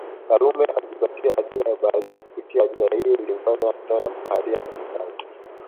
Karume alijipatia ajira ya ubaharia kupitia ajira hiyo ilimfanya akutane na mabaharia mbalimbali